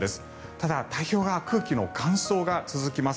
ただ太平洋側空気の乾燥が続きます。